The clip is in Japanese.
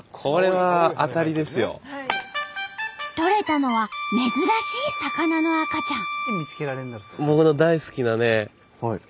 とれたのは珍しい魚の赤ちゃん。